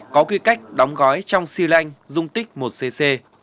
có quy cách đóng gói trong xy lanh dung tích một cc